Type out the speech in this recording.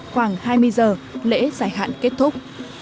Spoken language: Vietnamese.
khoảng hai mươi h lễ giải hạn kết thúc